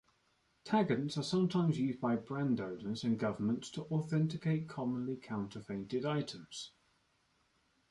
Taggants are sometimes used by brand owners and governments to authenticate commonly counterfeited items.